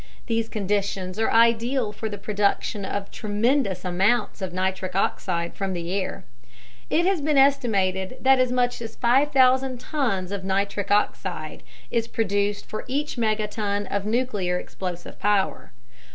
These conditions are ideal for the production of tremendous amounts of NO from the air. It has been estimated that as much as 5,000 tons of nitric oxide is produced for each megaton of nuclear explosive power.